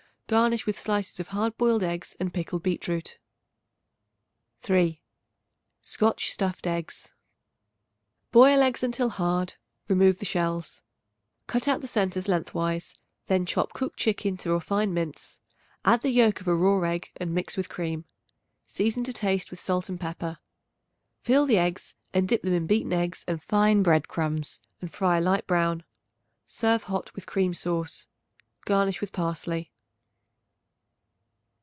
Garnish with slices of hard boiled eggs and pickled beet root. 3. Scotch Stuffed Eggs. Boil eggs until hard; remove the shells. Cut out the centres lengthwise; then chop cooked chicken to a fine mince; add the yolk of a raw egg and mix with cream. Season to taste with salt and pepper. Fill the eggs and dip them in beaten eggs and fine bread crumbs and fry a light brown. Serve hot with cream sauce. Garnish with parsley.